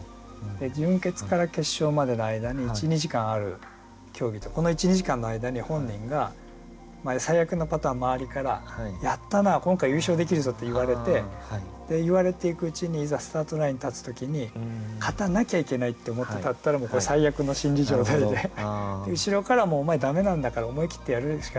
準決から決勝までの間に１２時間ある競技ってこの１２時間の間に本人が最悪のパターン周りから「やったな今回優勝できるぞ」って言われて言われていくうちにいざスタートラインに立つ時に勝たなきゃいけないって思って立ったらこれ最悪の心理状態で後ろから「もうお前駄目なんだから思い切ってやるしかない」って言われて